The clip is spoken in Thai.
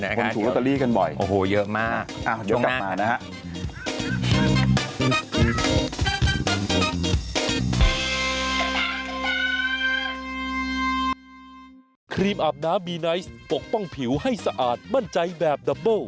ภูมิถูล็อตเตอรี่กันบ่อยโอ้โฮเยอะมากช่วงหน้ากันนะครับโอ้โฮเดี๋ยวกลับมานะครับ